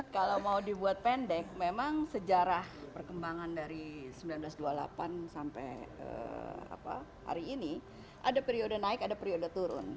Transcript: kalau mau dibuat pendek memang sejarah perkembangan dari seribu sembilan ratus dua puluh delapan sampai hari ini ada periode naik ada periode turun